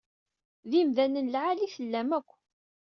D imdanen n lɛali i tellam akk.